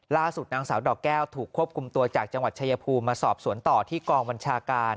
ล่าสุดนางสาวดอกแก้วถูกควบคุมตัวจากจังหวัดชายภูมิมาสอบสวนต่อที่กองบัญชาการ